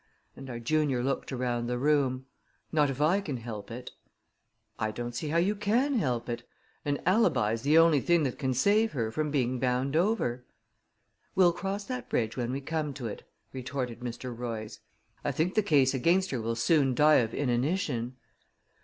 and our junior looked around the room. "Not if I can help it!" "I don't see how you can help it. An alibi's the only thing that can save her from being bound over." "We'll cross that bridge when we come to it," retorted Mr. Royce. "I think the case against her will soon die of inanition."